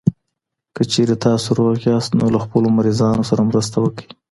که چېرې تاسو روغ یاست، نو له خپلو مريضانو سره مرسته وکړئ.